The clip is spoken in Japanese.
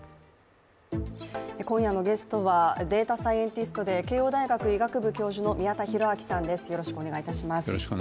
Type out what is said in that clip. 今夜のゲストはデータサイエンティストで慶応大学医学部教授の宮田裕章さんです。